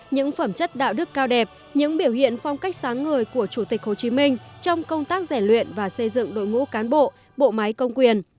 những phẩm chất đạo đức cao đẹp những biểu hiện phong cách sáng ngời của chủ tịch hồ chí minh trong công tác giải luyện và xây dựng đội ngũ cán bộ bộ máy công quyền